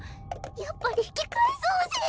やっぱり引き返そうぜ。